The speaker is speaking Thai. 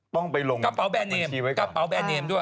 ต้องไปลงกับบัญชีไว้ก่อน